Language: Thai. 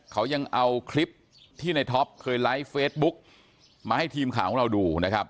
เขายังเอาคลิปที่ในท็อปเคยไลฟ์เฟซบุ๊กมาให้ทีมข่าวของเราดูนะครับ